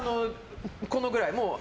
このぐらい。